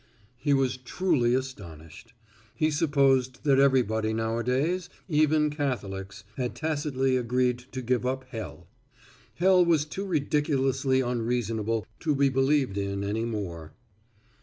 He was truly astonished. He supposed that everybody nowadays, even Catholics, had tacitly agreed to give up hell. Hell was too ridiculously unreasonable to be believed in any more.